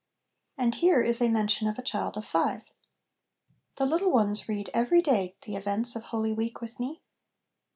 And here is a mention of a child of five. " The little ones read every day the events of Holy Week with me.